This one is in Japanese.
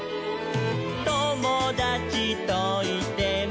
「ともだちといても」